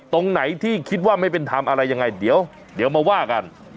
ตรงไหนที่คิดว่าไม่เป็นธรรมอะไรยังไงเดี๋ยวมาว่ากัน